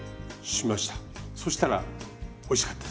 そうしたらおいしかったです。